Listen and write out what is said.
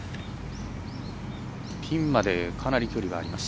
ピンまで、かなり距離はあります。